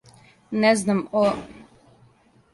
Не знам о?